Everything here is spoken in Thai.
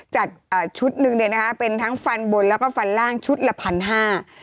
จัดชุดหนึ่งเนี้ยนะคะเป็นทั้งฟันบนแล้วฟันล่างชุดละถึง๑๕๐๐บาท